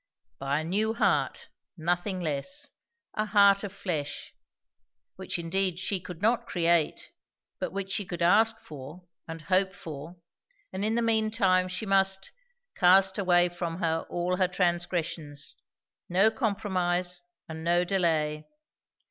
By a new heart, nothing less; a heart of flesh; which indeed she could not create, but which she could ask for and hope for; and in the mean time she must "cast away from her all her transgressions." No compromise, and no delay.